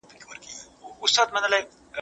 نورو ته په درنه سترګه کتل پکار دي.